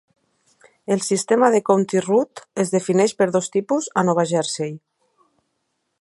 El sistema de County Route es defineix per dos tipus a Nova Jersey.